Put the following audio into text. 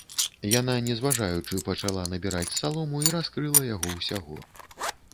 Яна, не зважаючы, пачала набіраць салому і раскрыла яго ўсяго.